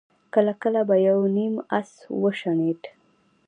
کله کله به يو نيم آس وشڼېد.